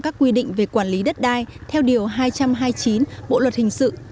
các quy định về quản lý đất đai theo điều hai trăm hai mươi chín bộ luật hình sự